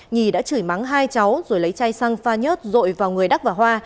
nhì đã chửi mắng hai cháu rồi lấy chai xăng pha nhớt rội vào người đắc và hoa